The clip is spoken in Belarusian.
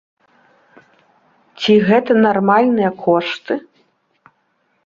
Ці гэта нармальныя кошты?